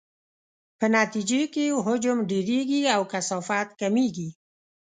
په نتیجې کې یې حجم ډیریږي او کثافت کمیږي.